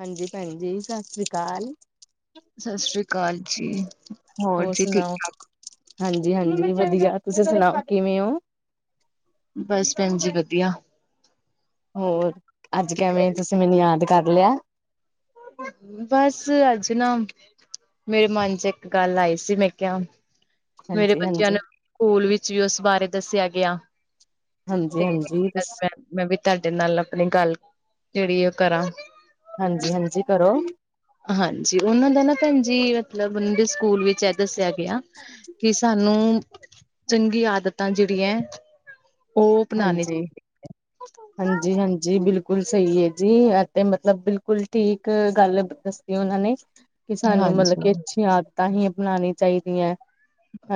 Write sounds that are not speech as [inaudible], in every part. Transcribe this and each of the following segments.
ਹਾਂਜੀ ਭੈਨ ਜੀ ‌, ਸਾਸਰੀ ਕਾਲ। ਸਸਰੀ ਕਾਲ ਜੀ। ਹੋਰ ਜੀ ਠੀਕ ਸੁਨਾਓ, ਠਾਕ? ਹਾਂਜੀ-ਹਾਂਜੀ ਵਦੀਆ ਤੁਸੀਂ ਸਨਾਓ ਕਿਵੇਂ ਓਂ। ਬਸ ਭੈਨ ਜੀ‌‌‌ ਵਦੀਆ। ਹੂੰ ਹੋਰ ਅੱਜ ਕਿਵੇਂ? ਤੁਸੀਂ ਮੈਨੂੰ ਯਾਦ ਕਰ ਲਿਆ। ਬਸ ਅੱਜ ਨਾ। ਮੇਰੇ ਮਨ ਚ ਇੱਕ ਗੱਲ ਆਈ ਸੀ, ਮੈਂ ਕੇਆ। ਮੇਰੇ ਹਾਂਜੀ ਬੱਚਿਆਂ ਹਾਂਜੀ ਨੂੰ ਸਕੂਲ ਵਿੱਚ ਵੀ ਉਸ ਬਾਰੇ ਦੱਸਿਆ ਗਿਆ। ਹਾਂਜੀ ਤੇ ਹਾਂਜੀ ਮੈਂ ਦੱਸੋ। ਮੈਂ ਵੀ ਤੁਹਾਡੇ ਨਾਲ ਆਪਣੀ ਗੱਲ, ਜਿਹੜੀ ਆ ਓ ਕਰਾਂ। ਹਾਂਜੀ ਹਾਂਜੀ ਕਰੋ। ਹਾਂਜੀ ਉਹਨਾਂ ਨਾ ਭੈਣ ਜੀ, ਮਤਲਬ ਉਹਨਾਂ ਦੇ ਸਕੂਲ ਵਿੱਚ ਐ ਦੱਸਿਆ ਗਿਆ। ਕਿ ਸਾਨੂੰ ਚੰਗੀਆ ਆਦਤਾਂ ਜਿਹੜੀਆਂ ਹਾਂਜੀ। [inaudible] ਹਾਂਜੀ ਹਾਂਜੀ ਬਿਲਕੁਲ ਸਹੀ ਏ ਜੀ ਐ ਤੇ ਮਤਲਬ ਬਿਲਕੁਲ ਠੀਕ ਗੱਲ। ਉਹਨਾਂ ਨੇ ਕਿ ਸਾਨੂੰ ਮਤਲਬ ਹਾਂਜੀ। ਕਿ ਅੱਛੀਆਂ ਆਦਤਾਂ ਈ ਅਪਣਾਣੀਆਂ ਚਾਹੀਦੀਆਂ।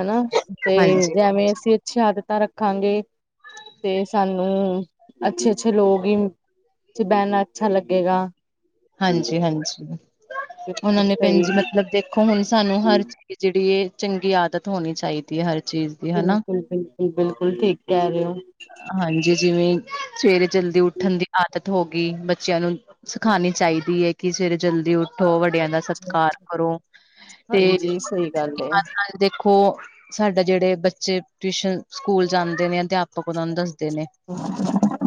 ਹਨਾ ਤੇ ਹਾਂਜੀ, ਜਿਵੇਂ ਅਸੀਂ ਅੱਛੀਆਂ ਆਂਦਤਾ ਰੱਖਾਂਗੇ। ਤੇ ਸਾਨੂੰ ਅੱਛੇ ਅੱਛੇ ਲੋਕ ਹੀ ਚ ਬਹਿਣਾ ਅੱਛਾ ਲੱਗੇਗਾ। ਹਾਂਜੀ-ਹਾਂਜੀ ਉਹਨਾਂ ਬਿਲਕੁਲ ਨੇ ਭੈਣ ਸਹੀ ਜੀ ਮਤਲਬ ਦੇਖੋ ਹੁਣ ਸਾਨੂੰ ਹਰ। ਕਿ ਜਿਹੜੀ ਇਹ ਚੰਗੀ ਆਦਤ ਹੋਣੀ ਚਾਹੀਦੀ ਐ ਹਰ ਚੀਜ਼। ਦੀ ਹਨਾ। ਬਿਲਕੁਲ-ਬਿਲਕੁਲ-ਬਿਲਕੁਲ ਠੀਕ ਕਹਿ ਰੇ ਔ। ਹਾਂਜੀ ਜਿਵੇਂ ਸਵੇਰੇ ਜਲਦੀ ਉੱਠਣ ਦੀ ਆਦਤ ਹੋ ਗਈ, ਬੱਚਿਆਂ ਨੂੰ ਸਿਖਾਣੀ। ਚਾਹੀਦੀ ਐ ਕਿ ਸਵੇਰੇ ਜਲਦੀ ਉੱਠੋ ਵੱਡਿਆਂ ਦਾ ਸਤਿਕਾਰ ਕਰੋ ਤੇ ਹਾਂਜੀ ਸਹੀ ਗੱਲ [unintelligible] ਏ ਮਨ ਨਾਲ ਦੇਖੋ। ਸਾਡੇ ਜਿਹੜੇ ਬੱਚੇ ਟਿਊਸ਼ਨ, ਸਕੂਲ ਜਾਂਦੇ ਨੇ ਅਧਿਆਪਕ ਉਹਨਾਂ ਨੂੰ ਦੱਸਦੇ ਨੇ।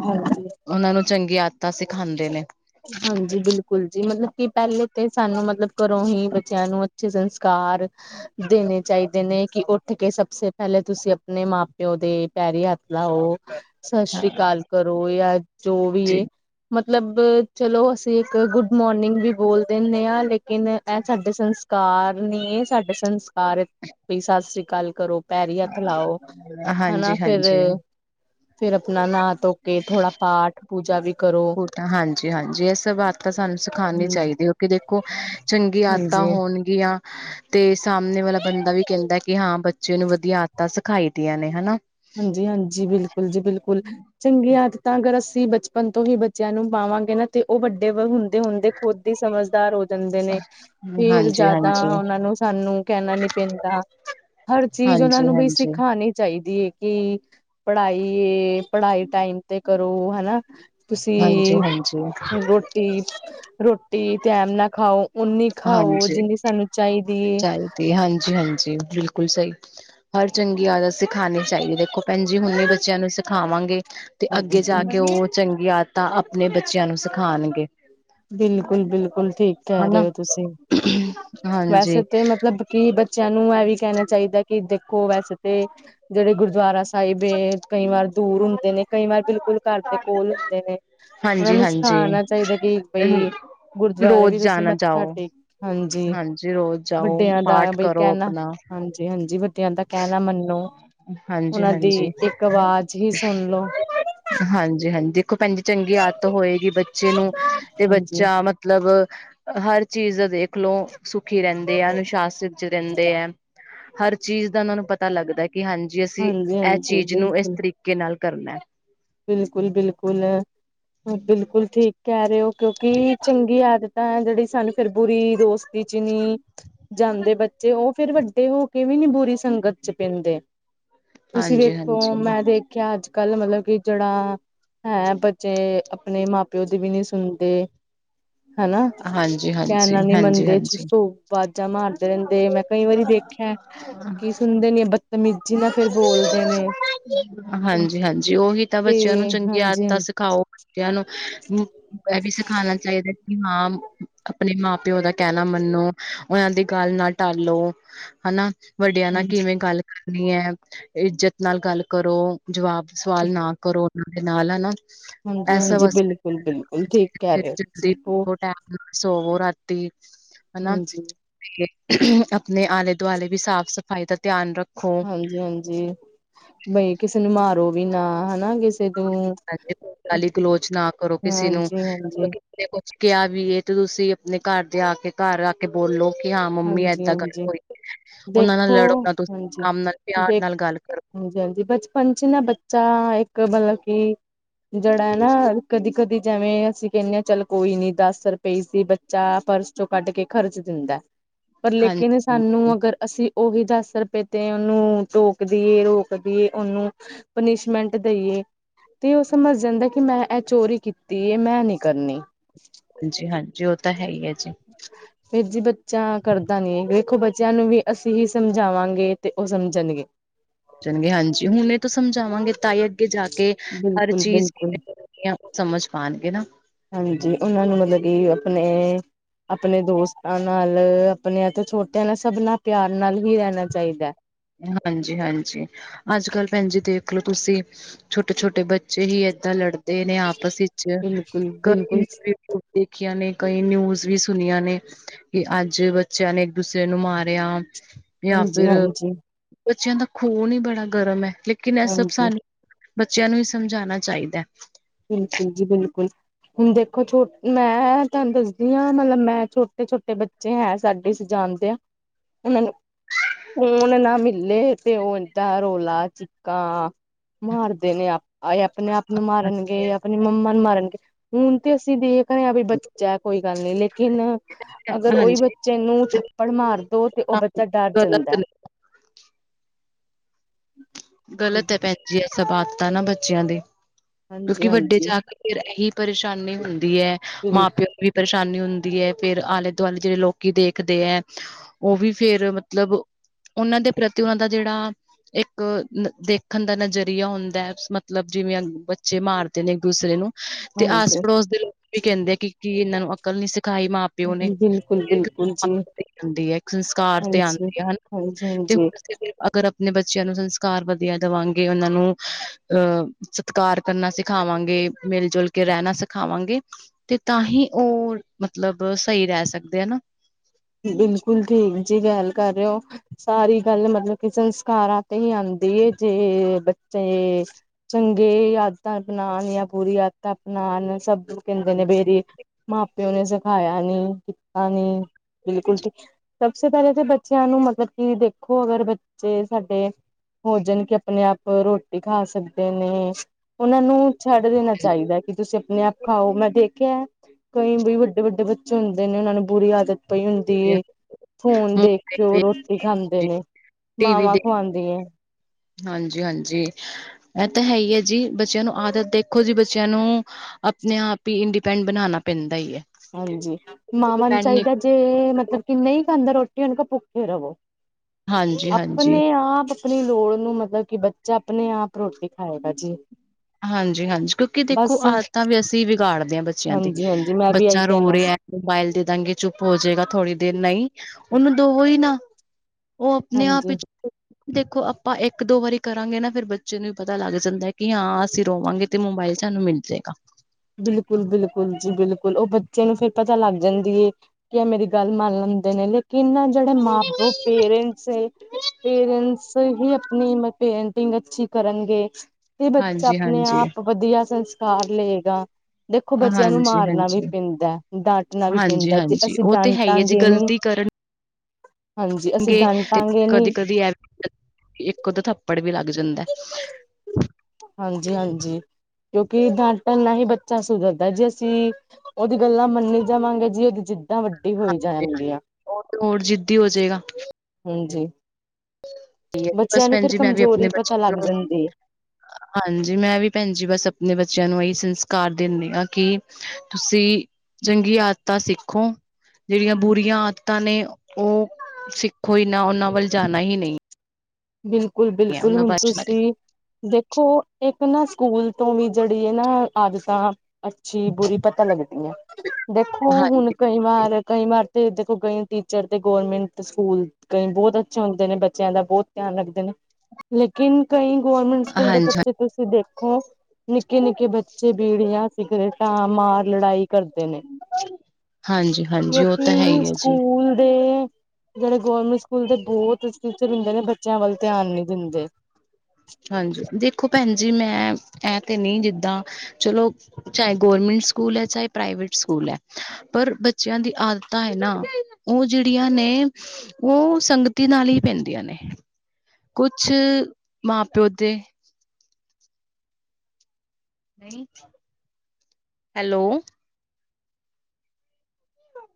ਹਾਂਜੀ, ਉਹਨਾਂ ਨੂੰ ਚੰਗੀਆਂ ਆਦਤਾਂ ਸਿਖਾਦੇ ਨੇ। ਜੀ ਬਿਲਕੁਲ ਜੀ ਮਤਲ ਕਿ ਪਹਿਲੇ ਤੇ ਸਾਨੂੰ ਮਤਲਬ, ਘਰੋਂ ਹੀ ਬੱਚਿਆਂ ਨੂੰ ਅੱਛੇ ਸੰਸ਼ਕਾਰ। ਦੇਣੇ ਚਾਹੀਦੇ ਨੇ, ਕਿ ਉੱਠ ਕੇ ਸਭਸੇ ਪਹਿਲੇ ਤੁਸੀਂ ਆਪਣੇ ਮਾਂ-ਪਿਓ ਦੇ ਪੈਰੇ ਹੱਥ ਲਾਓ, ਸਾਸਰੀ ਕਾਲ। ਕਰੋ ਜਾਂ, ਜੋ ਜੀ ਵੀ ਮਤਲਬ। ਚਲੋ ਅਸੀਂ ਇੱਕ ਗੁੱਡ ਮੋਰਨਿੰਗ ਵੀ ਬੋਲ ਦਿੰਦੇ ਆ, ਐ ਲੇਕਿਨ ਇਹ ਸਾਡੇ ਸੰਸ ਕਾਰ ਨੀ, ਇਹ ਸਾਡੇ ਸੰਸਕਾਰ ਬੀ ਸਾਸਰੀ ਕਾਲ ਕਰੋ। ਪੈਰੀ ਹੱਥ ਲਾਓ, ਹਨਾ ਫਿਰ। ਹਾਂਜੀ-ਹਾਂਜੀ। ਫਿਰ ਆਪਣਾ ਨਹਾ ਧੋ ਕੇ ਥੋੜਾ ਪਾਠ-ਪੂਜਾ ਵੀ ਕਰੋ। ਹਾਂਜੀ-ਹਾਂਜੀ ਇਹ ਸਭ ਆਦਤਾਂ ਸਾਨੂੰ ਸਿਖਾਣੀਆਂ ਚਾਹੀਦੀ ਐ, ਕਿ ਦੇਖੋ ਚੰਗੀ ਆਦ ਤਾਂ ਹਾਂਜੀ ਹੋਣਗੀਆਂ। ਤੇ ਸਾਹਮਣੇ ਵਾਲਾ ਬੰਦਾ ਵੀ ਕਹਿੰਦਾ ਕਿ ਹਾਂ ਬੱਚੇ ਨੂੰ ਵਧੀਆਂ ਆਦਤਾਂ ਸਿਖਾਈ ਦੀਆਂ ਨੇ ਹਨਾ। ਹਾਂਜੀ-ਹਾਂਜੀ ਬਿਲਕੁਲ ਜੀ ਬਿਲਕੁਲ। ਚੰਗੀਆਂ ਆਦਤਾਂ ਅਗਰ ਅਸੀਂ ਬਚਪਨ ਤੋਂ ਹੀ ਬੱਚਿਆਂ ਨੂੰ ਪਾਵਾਂਗੇ, ਨਾ ਤੇ ਉਹ ਵੱਡੇ ਹੁੰਦੇ। ਹੁੰਦੇ ਖੁਦ ਈ ਸਮਝਦਾਰ ਹੋ ਜਾਂਦੇ ਨੇ। ਫਿਰ ਹਾਂਜੀ ਜ਼ਿਆਦਾ ਹਾਂਜੀ ਉਹਨਾਂ ਨੂੰ ਸਾਨੂੰ ਕਹਿਣਾ ਨੀ ਪੈਂਦਾ। ਹਰ ਚੀਜ਼ ਉਹਨਾਂ ਹਾਂਜੀ ਨੂੰ ਵੀ ਹਾਂਜੀ ਸਿਖਾਣੀ ਚਾਹੀਦੀ ਏ। ਕਿ, ਪੜ੍ਹਾਈ ਏ ਪੜ੍ਹਾਈ ਟਾਈਮ ਤੇ ਕਰੋ ਹਨਾ। ਤੁਸੀਂ ਹਾਂਜੀ ਹਾਂਜੀ ਰੋ ਰੋਟੀ ਟੈਮ ਨਾ ਖਾਓ ਓਨੀ ਖਾਓ ਹਾਂਜੀ ਜਿੰਨੀ ਸਾਨੂੰ ਚਾਹੀਦੀ ਏ। ਚਾਹੀਦੀ ਐ ਹਾਂਜੀ ਹਾਂਜੀ ਬਿਲਕੁਲ ਸਈ। ਹਰ ਚੰਗੀ ਆਦਤ ਸਿਖਾਨੀ ਚਾਹੀਦੀ ਆ, ਦੇਖੋ ਭੈਣ ਜੀ ਹੁਣੇ ਬੱਚਿਆਂ ਨੂੰ ਸਿਖਾਵਾਂਗੇ ਤੇ, ਅੱਗੇ ਜਾਕੇ ਉਹ ਚੰਗੀਆਂ ਆਦਤਾਂ ਆਪਣੇ ਬੱਚਿਆਂ ਨੂੰ ਸਿਖਾਣਗੇ। ਬਿਲਕੁਲ-ਬਿਲਕੁਲ ਠੀਕ ਕਹਿ ਰਹੇ ਓ ਤੁਸੀ, ਹਾਂਜੀ ਵੈਸੇ ਤੇ ਮਤਲਬ ਕੀ ਬੱਚਿਆਂ ਨੂੰ ਐ ਵੀ ਕਹਿਣਾ ਚਾਹੀਦਾ ਕਿ ਦੇਖੋ, ਵੈਸੇ ਤੇ ਜਿਹੜੇ ਗੁਰਦੁਆਰਾ ਸਾ ਹਾਏਵੇ, ਕਈ ਵਾਰ ਦੂਰ ਹੁੰਦੇ ਨੇ ਕਈ ਵਾਰ ਬਿਲਕੁਲ ਘਰ ਦੇ ਕੋਲ ਹੁੰਦੇ ਨੇ। ਉਹਨਾਂ ਹਾਂਜੀ ਨੂੰ ਹਾਂਜੀ ਸਿਖਾਣਾ ਚਾਹੀਦਾ ਕਿ, ਬਈ ਗੁਰਦੁਆਰੇ ਵੀ ਰੋਜ਼ ਤੁਸੀਂ ਜਾਣਾ ਮੱਥਾ ਜਾਓ ਟੇਕ, ਹਾਂਜੀ, ਰੋਜ਼ ਜਾਓ ਵੱਡਿਆਂ ਦਾ ਪਾਠ ਬਈ ਕਰੋ ਕਹਿਨਾ ਆਪਣਾ ਹਾਂਜੀ-ਹਾਂਜੀ, ਵੱਡਿਆਂ ਦਾ ਕਹਿਣਾ ਮੰਨੋ। ਉਹਨਾਂ ਦੀ ਹਾਂਜੀ-ਹਾਂਜੀ। ਇੱਕ ਆਵਾਜ਼ ਹੀ ਸੁਣ ਲਓ ਹਾਂਜੀ-ਹਾਂਜੀ, ਦੇਖੋ ਭੈਣਜੀ ਚੰਗੀ ਆਦਤ ਹੋਏਗੀ ਬੱਚੇ ਨੂੰ, ਤੇ ਹਾਂਜੀ ਬੱਚਾ ਮਤ ਮਤਲਬ, ਹਰ ਚੀਜ਼ ਦੇਖਲੋ ਸੁਖੀ ਰਹਿੰਦੇ ਆ, ਅਨੁਸ਼ਾਸਿਤ'ਚ ਰਹਿੰਦੇ ਐ। ਹਰ ਚੀਜ਼ ਦਾ ਉਹਨਾਂ ਨੂੰ ਪਤਾ ਲਗਦਾ, ਕਿ ਹਾਂਜੀ ਅਸੀ ਹਾਂਜੀ ਹਾਂਜੀ ਬਿਲਕੁਲ ਤਰੀਕੇ ਨਾਲ ਕਰਨਾ। ਬਿਲਕੁਲ-ਬਿਲਕੁਲ, ਬਿਲਕੁਲ ਠੀਕ ਕਹਿ ਰਹੇ ਓ, ਕਿਉਂਕਿ ਚੰਗੀ ਆਦਤ ਤਾਂ ਜਿਹੜੀ ਸਾਨੂੰ ਫਿਰ, ਬੁਰੀ ਦੋਸਤੀ'ਚ ਨੀ ਜਾਂਦੇ ਬੱਚੇ ਉਹ ਫਿਰ ਵੱਡੇ ਹੋਕੇ ਵੀ ਨੀ ਬੁਰੀ ਸੰਗਤ'ਚ ਪੇਂਦੇ, ਤੁਸੀਂ ਹਾਂਜੀ ਵੇਖੋ, ਹਾਂਜੀ ਮੈਂ ਦੇਖ ਕਿਆ ਅੱਜ-ਕੱਲ ਮਤਲਬ ਕਿ ਜਿਹੜਾ, ਹੈ ਤੇ ਅਪਣੇ ਮਾਂ-ਪਿਓ ਦੀ ਵੀ ਨਹੀਂ ਸੁਣਦੇ। ਹਨਾ, ਹਾਂਜੀ ਕਹਿਣਾ ਹਾਂਜੀ ਨੀ ਹਾਂਜੀ ਮੰਨਦੇ, ਹਾਂਜੀ ਚੁਸਤ ਹੋ ਵਾਜਾਂ ਮਾਰਦੇ ਰਹਿੰਦੇ, ਮੈਂ ਕਈ ਵਾਰੀ ਦੇਖਿਆ ਕਿ ਸੁਣਦੇ ਨੀ ਐ, ਬਦਤਮੀਜੀ ਨਾਲ ਫਿਰ ਬੋਲਦੇ ਨੇ। ਹਾਂਜੀ-ਹਾਂਜੀ, ਉਹੀ ਤਾ ਤੇ ਬੱਚਿਆਂ ਨੂੰ ਚੰਗੀਆਂ ਆਦਤਾਂ ਹਾਂਜੀ-ਹਾਂਜੀ ਸਿਖਾਓ। ਬੱਚਿਆਂ ਨੂੰ, ਐ ਵੀ ਸਿਖਾਣਾ ਚਾਹੀਦਾ। ਇਨਾਮ, ਆਪਣੇ ਮਾਂ-ਪਿਓ ਦਾ ਕਹਿਣਾ ਮੰਨੋ, ਉਹਨਾਂ ਦੀ ਗੱਲ ਨਾਲ ਟਾਲੋ, ਹਨਾ ਵੱਡਿਆਂ ਨਾਲ ਕਿਵੇਂ ਗੱਲ ਕਰਨ ਕਰਨੀ ਐ, ਇੱਜਤ ਨਾਲ ਗੱਲ ਕਰੋ, ਜਵਾਬ-ਸਵਾਲ ਨਾ ਕਰੋ ਉਹਨਾਂ ਦੇ ਨਾਲ ਹਨਾ। ਇਹ ਸਭ ਹਾਂਜੀ-ਹਾਂਜੀ, ਅਸੀਂ ਬਿਲਕੁਲ-ਬਿਲਕੁਲ ਠੀਕ ਕਹਿ ਰਹੇ ਓ ਜਲਦੀ ਤੁਸੀਂ, ਬੋ ਟਾਈਮ ਸੋਵੋ ਰਾਤੀ ਹਨਾ, ਹਾਂਜੀ। ਤੇ ਅਪਨੇ ਆਲੇ-ਦੁਆਲੇ ਵੀ ਸਾਫ਼-ਸਫ਼ਾਈ ਦਾ ਧਿਆਨ ਰੱਖੋ। ਹਾਂਜੀ-ਹਾਂਜੀ, ਬਈ ਕਿਸੇ ਨੂੰ ਮਾਰੋ ਵੀ ਨਾ, ਹਨਾ ਕਿਸੇ ਤੋਂ ਗਾਲੀ ਗਲੋਚ ਨਾ ਕਰੋ ਕਿਸੀ ਨੂੰ। ਹਾਂਜੀ-ਹਾਂਜੀ, ਤੇ ਕੁਝ ਕਿਹਾ ਵੀ ਏ, ਤੇ ਤੁਸੀਂ ਆਪਣੇ ਘਰਦੇ ਆਕੇ ਘਰ ਰੱਖ ਤੇ ਬੋਲੋ, ਕਿ ਹਾਂ ਮੰਮੀ ਇੱਦਾਂ ਗੱਲ ਹਾਂਜੀ-ਹਾਂਜੀ ਹੋਈ ਉਹਨਾਂ ਨਾਲ ਦੇਖੋ ਲੜੋ ਨਾ ਤੁਸੀ ਹਾਂਜੀ। ਆਰਾਮ ਨਾਲ, ਪਿਆਰ ਦੇਖ ਨਾਲ ਗੱਲ ਕਰੋ। ਹਾਂਜੀ-ਹਾਂਜੀ, ਬਚਪਨ'ਚ ਨਾ ਬੱਚਾ ਇੱਕ ਮਤਲਬ ਕਿ ਜਿਹੜਾ ਐ ਨਾ ਕਦੀ ਕਦੀ ਜੈਵੇਂ, ਅਸੀਂ ਕਹਿਨੇ ਆ ਚੱਲ ਕੋਈ ਨੀ, ਦੱਸ ਰੁਪਏ ਸੀ ਬੱਚਾ ਪਰਸ'ਚੋਂ ਕੱਢਕੇ ਖਰਚ ਦਿੰਦਾ। ਪਰ ਹਾਂਜੀ। ਲੇਕਿੰਨ ਹਾਂਜੀ, ਸਾਨੂੰ ਅਗਰ ਅਸੀਂ ਉਹੀ ਦੱਸ ਰੁਪਏ ਤੇ ਉਹਨੂੰ ਟੋਕ ਦੀਏ, ਰੋਕ ਦੀਏ ਉਹਨੂੰ। ਪਨਿਸ਼ਮੈਂਟ ਦੇਈਏ। ਤੇ ਉਹ ਸਮਝ ਜਾਂਦਾ, ਕਿ ਮੈਂ ਐ ਚੋਰੀ ਕੀਤੀ ਏ, ਮੈਂ ਨੀ ਕਰਨੀ। ਹਾਂਜੀ-ਹਾਂਜੀ, ਉਹ ਤਾ ਹੈਹੀ ਆ ਜੀ। ਫਿਰ ਜੀ ਬੱਚਾ ਕਰਦਾ ਨੀ, ਵੇਖੋ ਬੱਚਿਆਂ ਨੂੰ ਵੀ ਅਸੀਂ ਹੀ ਸਮਝਾਵਾਂਗੇ ਤੇ ਓ ਸਮਝਣਗੇ। ਜਾਣਗੇ, ਹਾਂਜੀ ਹੁਣ ਇਹ ਤੋ ਸਮਝਾਵਾਂਗੇ, ਤਾਂਹੀ ਅੱਗੇ ਜਾਕੇ ਹਰ ਬਿਲਕੁਲ ਚੀਜ਼ ਬਿਲਕੁਲ। ਆਪ ਸਮਝ ਪਾਣਗੇ ਨਾ। ਹਾਂਜੀ, ਉਹਨਾਂ ਨੂੰ ਮਤਲਬ ਕਿ ਅਪਨੇ, ਅਪਨੇ ਦੋਸਤਾਂ ਨੂੰ ਨਾਲ ਅਪਣਿਆਂ ਤੋਂ ਛੋਟਿਆਂ ਨਾਲ, ਸਭ ਨਾਲ ਪਿਆਰ ਨਾਲ ਹੀ ਰਹਿਣਾ ਚਾਹੀਦੈ। ਹਾਂਜੀ-ਹਾਂਜੀ ਅੱਜ-ਕੱਲ ਭੈਣ ਜੀ ਦੇਖਲੋ ਤੁਸੀਂ ਛੋਟੇ-ਛੋਟੇ ਬੱਚੇ ਹੀ ਏਦਾਂ ਲੜਦੇ ਨੇ ਆਪਸ ਵਿੱਚ ਬਿਲਕੁਲ ਕਈ ਬਿਲਕੁਲ। [unintelligible] ਦੇਖੀਆਂ ਨੇ ਕਈ ਨਿਊਜ਼ ਵੀ ਸੁਣੀਆਂ ਨੇ। ਕੀ ਅੱਜ ਬੱਚਿਆਂ ਨੇ ਇੱਕ ਦੂਸਰੇ ਨੂੰ ਮਾਰਿਆ ਯਾਂ ਹਾਂਜੀ ਫਿਰ ਹਾਂਜੀ ਬੱਚਿਆਂ ਦਾ ਖੂਨ ਈ ਬੜਾ ਗਰਮ ਐ ਲੇਕਿਨ ਐ ਸਭ ਹਾਂਜੀ ਸਾਨੂੰ ਬੱਚਿਆਂ ਨੂੰ ਈ ਸਮਝਾਣਾ ਚਾਈਦੈ। ਬਿਲਕੁਲ ਜੀ ਬਿਲਕੁਲ। ਹੁਣ ਦੇਖੋ ਛੋ ਮੈਂ ਤੁਹਾਨੂੰ ਦੱਸਦੀ ਆ ਮਤਲਬ ਮੈਂ ਛੋਟੇ-ਛੋਟੇ ਬੱ ਚੇ ਹੈਂ ਸਾਡੇ ਅਸੀ ਜਾਣਦੇ ਆ ਉਨ੍ਹਾਂ ਨੂੰ ਫੋਨ ਨਾ ਮਿਲੇ ਤੇ ਓਦਾਂ ਰੋਲਾ ਚਿੱਕਾਂ। ਮਾਰਦੇ ਨੇ ਆ ਆਪਣੇ ਆਪ ਨੂੰ ਮਾਰਨਗੇ ਆਪਣੀ ਮੰਮਾ ਨੂੰ ਮਾਰਨਗੇ ਹੁਣ ਤੇ ਅਸੀਂ ਦੇਖ ਰਿਆ ਵੀ ਬੱਚਾ ਕੋਈ ਗੱਲ ਨੀ ਲੇਕਿਨ ਅਗਰ ਓਈ ਹਾਂਜੀ ਬੱਚੇ ਨੂੰ ਥੱਪੜ ਮਾਰ ਦੋ ਤੇ ਓ ਬੱਚਾ ਡਰ ਜਾਂਦੈ। ਗਲਤ ਨੇ ਗ਼ਲਤ ਐ ਭੈਣ ਜੀ ਐ ਸਭ ਆਦਤਾਂ ਨਾ ਬੱਚਿਆਂ ਦੇ ਹਾਂਜੀ ਕਿਉਂਕੀ ਵੱਡੇ ਹਾਂਜੀ ਜਾ ਕੇ ਫਿਰ ਏਹੀ ਪਰੇਸ਼ਾਨੀ ਹੁੰਦੀ ਐ ਬਿਲਕੁਲ ਮਾਂ-ਪਿਓ ਵੀ ਪਰੇਸ਼ਾਨੀ ਹੁੰਦੀ ਐ ਫੇਰ ਆਲੇ-ਦੁਆਲੇ ਜੇੜੇ ਲੋਕੀ ਦੇਖਦੇ ਐ ਓਵੀ ਫੇਰ ਮਤਲਬ ਉਨਾਂ ਦੇ ਪ੍ਰਤੀ ਉਨਾਂ ਦਾ ਜੇੜਾ ਇੱਕ ਦੇਖਣ ਦਾ ਨਜ਼ਰੀਆ ਹੁੰਦਾ ਮਤਲਬ ਜਿਵੇਂ ਬੱਚੇ ਮਾਰਦੇ ਨੇ ਇੱਕ ਦੂਸਰੇ ਨੂੰ ਤੇ ਹਾਂਜੀ ਆਸ-ਪੜੋਸ ਦੇ ਲੋਕ ਵੀ ਕੈਂਦੇ ਆ ਕੀ-ਕੀ ਇਨਾਂ ਨੂੰ ਅਕਲ ਨੀ ਸਿਖਾਈ ਮਾਂ ਪਿਓ ਨੇ [inaudible] ਬਿਲਕੁਲ ਬਿਲਕੁਲ ਜੀ ਸੰਸਕਾਰ ਤੇ ਹਾਂਜੀ ਹਾਂਜੀ ਆਂਦੀ ਹਾਂਜੀ [inaudible] ਅਗਰ ਆਪਣੇ ਬੱਚਿਆਂ ਨੂੰ ਸੰਸ ਸਕਾਰ ਵਧੀਆ ਦੇਵਾਂਗੇ ਉਨਾਂ ਨੂੰ ਅ ਸਤਿਕਾਰ ਕਰਨਾ ਸਿਖਾਵਾਂਗੇ ਮਿਲ-ਜੁਲ ਕੇ ਰੈਣਾ ਸਿਖਾਵਾਂਗੇ ਤੇ ਤਾਂ ਹੀ ਓ ਮਤਲਬ ਸਈ ਰੈ ਸਕਦੇ ਨਾ। ਬਿਲਕੁੱਲ ਠੀਕ ਜੀ ਗੱਲ ਕਰ ਰਿਓ। ਸਾਰੀ ਗੱਲ ਮਤਲਬ ਕੀ ਸੰਸਕਾਰਾਂ ਤੇ ਹੀ ਆਂਦੀ ਏ ਜੇ ਬੱਚੇ ਚੰਗੇ ਆਦਤਾਂ ਅਪਨਾਣ ਯਾਂ ਬੂਰੀ ਆਦਤਾਂ ਅਪਨਾਣ ਸਭ [unintelligible] ਕੈਂਦੇ ਨੇ ਵੀ ਏਦੀ ਮਾਂ-ਪਿਓ ਨੇ ਸਿਖਾਇਆ ਨੀ ਕੀਤਾ ਨੀ ਬਿਲਕੁੱਲ [unintelligible] ਸਭ ਸੇ ਪਹਲੇ ਤਾਂ ਬੱਚਿਆਂ ਨੂੰ ਮਤਲਬ ਕੀ ਦੇਖੋ ਅਗਰ ਬੱਚੇ ਸਾਡੇ ਜੋਬਜਣ ਕਿ ਆਪਣੇ ਆਪ ਰੋਟੀ ਖਾ ਸਕਦੇ ਨੇ ਉਨਾਂ ਨੂੰ ਛੱਡ ਦੇਣਾ ਚਾਈਦਾ ਕੀ ਤੁਸੀਂ ਆਪਣੇ ਆਪ ਖਾਓ ਮੈਂ ਦੇ ਖਿਆ ਕਈ ਬਈ ਵੱਡੇ-ਵੱਡੇ ਬੱਚੇ ਹੁੰਦੇ ਨੇ ਉਨਾਂ ਨੂੰ ਬੁਰੀ ਆਦਤ ਪਈ ਹੁੰਦੀ ਏ ਫੋਨ ਦੇਖ ਕੇ ਪ ਰੋਟੀ ਖਾਂਦੇ ਨੇ ਮਾਵਾਂ ਖਵਾਂਦੀਆਂ। ਹਾਂਜੀ-ਹਾਂਜੀ ਏ ਤਾਂ ਹੈ ਈ ਐ ਜੀ ਬੱਚਿਆਂ ਨੂੰ ਆਦਤ ਦੇਖੋ ਜੀ ਬੱਚਿਆਂ ਨੂੰ ਆਪਣੇ ਆਪ ਈ ਇੰਡੀਪੈਂਡ ਬਣਾਣਾ ਪੈਂਦਾ ਈ ਐ। ਹਾਂਜੀ ਮਾਵਾਂ ਨੂੰ ਚਾਈਦਾ ਜੇ ਮਤਲਬ ਕੀ ਨਈ ਖਾਂਦਾ ਰੋਟੀ ਉਨੂੰ ਕੋ ਭੁੱਖੇ ਰਵੋ। ਹਾਂਜੀ ਹਾਂਜੀ ਆਪਣੇ ਆਪ ਆਪਣੀ ਲੋੜ ਨੂੰ ਮਤਲਬ ਕੀ ਬੱਚਾ ਆਪਣੇ ਆਪ ਰੋਟੀ ਖਾਏਗਾ ਜੀ। ਹਾਂਜੀ-ਹਾਂਜੀ ਕਿਉਂਕੀ ਦੇਖੋ ਬਸ ਆਦਤਾਂ ਵੀ ਅਸੀਂ ਵਿਗਾੜਦੇ ਆ ਬੱਚਿਆਂ ਦੀ ਹਾਂਜੀ ਹਾਂਜੀ ਮੈਂ ਵੀ ਇਹੀ ਬੱਚਾ ਰੋ ਕਹਿਣਾ ਰਿਐ ਸੀ ਮੋਬਾਇਲ ਦੇਂਦਾਗੇ ਚੁੱਪ ਹੋਜੇਗਾ ਥੋੜ੍ਹੀ ਦੇਰ ਨਈ ਉਨੂੰ ਦੋਵੋ ਈ ਨਾ। ਓ ਆਪਣੇ ਆਪ ਹਾਂਜੀ ਚੁ ਦੇਖੋ ਆਪਾਂ ਇੱਕ ਦੋ ਵਾਰੀ ਕਰਾਂਗੇ ਨਾ ਫੇਰ ਬੱਚੇ ਨੂੰ ਵੀ ਪਤਾ ਲੱਗ ਜਾਂਦੈ ਕੀ ਹਾਂ ਅਸੀਂ ਰੋਵਾਂਗੇ ਤੇ ਮੋਬਾਇਲ ਸਾਨੂੰ ਮਿਲ ਜੇਗਾ। ਬਿਲਕੁਲ ਬਿਲਕੁਲ ਜੀ ਬਿਲਕੁਲ ਓ ਬੱਚੇ ਨੂੰ ਫਿਰ ਪਤਾ ਲੱਗ ਜਾਂਦੀ ਏ ਕੀ ਆ ਮੇਰੀ ਗੱਲ ਮੰਨ ਲੈਂਦੇ ਨੇ ਲੇਕਿਨ ਨਾ ਜੇੜਾ ਮਾਂ-ਪਿਓ ਪੇਰੈਂਟਸ-ਪੇਰੈਂਟਸ ਹੀ ਆਪਣੀ ਪੇਰੈਂਟਿੰਗ ਅੱਛੀ ਕਰਨਗੇ ਤੇ ਬੱਚਾ ਹਾਂਜੀ ਅਪਨੇ ਹਾਂਜੀ ਆਪ ਵਦੀਆ ਸੰਸਕਾਰ ਲਏਗਾ। ਦੇਖੋ, ਬੱਚਿਆਂ ਨੂੰ ਹਾਂਜੀ ਮਾਰਨਾ ਵੀ ਹਾਂਜੀ ਪੈਂਦਾ ਡਾਂਟਣਾ ਵੀ ਹਾਂਜੀ ਪੈਂਦਾ ਜੇ ਹਾਂਜੀ ਅਸੀਂ ਉਹ ਤੇ ਹੈ ਹੀ ਹੈ ਜੀ ਡਾਂਟਾਂਗੇ ਨੀਂ ਤੇ ਨੀ ਕਦੀ-ਕਦੀ ਐ ਵੀ ਇੱਕ ਅੱਧਾ ਥੱਪੜ ਵੀ ਲੱਗ ਜਾਂਦੈ। ਹਾਂਜੀ-ਹਾਂਜੀ, ਕਿਉਂਕਿ ਡਾਂਟਣ ਨਾਲ ਹੀ ਬੱਚਾ ਸੁਧਰਦਾ ਜੀ ਅਸੀਂ ਓਦੀ ਗੱਲਾਂ ਮੰਨੀ ਜਾਵਾਂਗੇ ਜੀ ਓਦੀ ਜਿੱਦਾਂ ਵੱਡੀ ਹੋਈ ਜਾਣਗੀਆਂ, ਉਹ ਤੇ ਹੋਰ ਜਿੱਦੀ ਹੋ ਜਾਏਗਾ ਹਾਂਜੀ। ਬੱਚੇਆਂ ਬਸ ਨੂੰ ਭੈਣ ਫੇਰ ਜੀ ਮੈਂ ਵੀ ਆਪਣੇ ਕਮਜ਼ੋਰੀ ਪਤਾ ਬੱਚਿਆਂ ਲੱਗ ਨੂੰ ਜਾਂਦੀਏ। [inaudible] ਹਾਂਜੀ ਮੈਂ ਵੀ ਭੈਣ ਜੀ ਬਸ ਅਪਨੇ ਬੱਚਿਆਂ ਨੂੰ ਏਹੀ ਸੰਸਕਾਰ ਦਿੰਨੀਂ ਆਂ ਕਿ ਤੁਸੀਂ ਚੰਗੀ ਆਦਤਾਂ ਸਿੱਖੋ। ਜੇੜੀਆਂ ਬੁਰੀਆਂ ਆਦਤਾਂ ਨੇ ਓ ਸਿੱਖੋ ਈ ਨਾ, ਓਨਾਂ ਵੱਲ ਜਾਣਾ ਈਂ ਨਈਂ। ਬਿਲਕੁਲ-ਬਿਲਕੁਲ ਹੁਨ ਬਾਰੇ ਤੁਸੀਂ ਦੇਖੋ ਇੱਕ ਨਾ ਸਕੂਲ ਤੋਂ ਵੀ ਜੇੜੀ ਏਨਾ ਆਦਤਾਂ ਅੱਛੀ-ਬੁਰੀ ਪਤਾ ਲੱਗਦੀ ਐ ਦੇਖੋ ਹੁਣ ਹਾਂਜੀ ਕਈ ਵਾਰ ਕਈ ਵਾਰ ਤੇ ਦੇਖੋ, ਕਈ ਟੀਚਰ ਤੇ ਗੌਰਮੈਂਟ ਸਕੂਲ ਬੋਤ ਚੁਣਦੇ ਨੇ ਬੱਚਿਆਂ ਦਾ ਬੋਤ ਧਿਆਨ ਰੱਖਦੇ ਨੇ ਲੇਕਿਨ ਕਈ ਗੌਰਮੈਂਟ ਸਕੂਲ ਦੇ ਹਾਂਜੀ ਬੱਚੇ ਤੁਸੀਂ ਦੇਖੋ ਨਿੱਕੇ-ਨਿੱਕੇ ਬੱਚੇ ਬੀੜੀਆਂ, ਸਿਗਰਟਾਂ, ਮਾਰ, ਲੜਾਈ ਕਰਦੇ ਨੇ, ਹਾਂਜੀ ਹਾਂਜੀ ਉਹ ਤਾਂ ਹੈ ਕਿਉਂਕਿ ਹੀ ਹੈ ਜੀ ਸਕੂਲ ਦੇ ਜੇੜੇ ਗੋਰਮੈਂਟ ਸਕੂਲ ਦੇ ਬੋਤ ਟੀਚਰ ਹੁੰਦੇ ਨੇ ਬੱਚਿਆਂ ਵੱਲ ਧਿਆਨ ਨਈਂ ਦਿੰਦੇ। ਹਾਂਜੀ ਦੇਖੋ ਭੈਣ ਜੀ, ਮੈਂ ਐ ਤੇ ਨੀਂ ਜਿੱਦਾਂ ਚਲੋ ਚਾਏ ਗੌਰਮੈਂਟ ਸਕੂਲ ਐ, ਚਾਏ ਪ੍ਰਾਈਵੇਟ ਸਕੂਲ ਐ ਪਰ ਬੱਚੇਆਂ ਦੀ ਆਦਤਾਂ ਏਨਾ, ਓ ਜੇੜੀਆਂ ਨੇ ਓ ਸੰਗਤੀ ਨਾਲ ਹੀ ਪੈਂਦੀਆਂ ਨੇ, ਕੁਛ ਮਾਂ-ਪਿਓ ਤੇ ਹੈਲੋ।